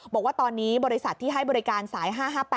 บอกว่าตอนนี้บริษัทที่ให้บริการสาย๕๕๘